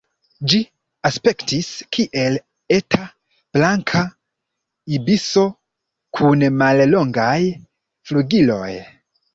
Ĝi aspektis kiel eta Blanka ibiso kun mallongaj flugiloj.